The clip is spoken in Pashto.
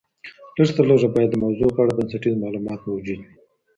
لږ تر لږه باید د موضوع په اړه بنسټیز مالومات موجود وي.